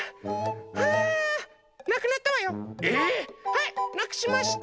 ⁉はいなくしました。